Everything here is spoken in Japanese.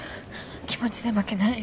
気持ちで負けない。